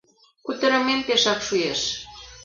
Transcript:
Кутырымем пешак шуэш...